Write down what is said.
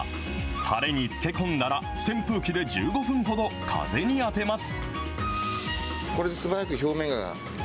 たれに漬け込んだら、扇風機で１５分ほど風に当てます。